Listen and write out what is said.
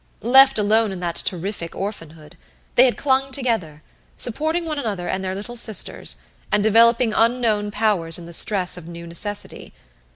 Left alone in that terrific orphanhood, they had clung together, supporting one another and their little sisters, and developing unknown powers in the stress of new necessity.